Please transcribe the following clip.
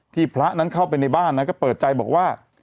พระนั้นเข้าไปในบ้านก็เปิดใจบอกว่า